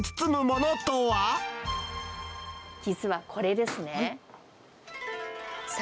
実はこれですね。